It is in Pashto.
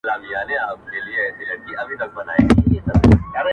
• زه پسونه غواوي نه سمه زغملای -